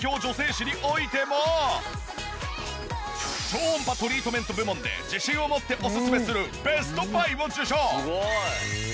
超音波トリートメント部門で自信を持っておすすめするベストバイを受賞。